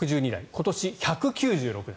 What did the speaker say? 今年、１９６台。